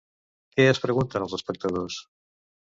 Què es pregunten els espectadors?